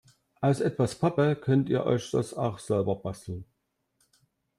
Aus etwas Pappe könnt ihr euch das auch selber basteln.